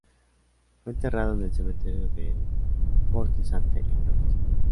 Fue enterrado en el Cementerio delle Porte Sante, en Florencia.